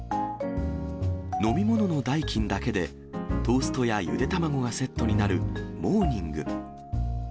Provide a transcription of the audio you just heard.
飲み物の代金だけでトーストやゆで卵がセットになるモーニング。